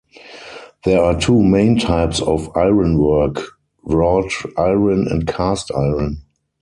There are two main types of ironwork: wrought iron and cast iron.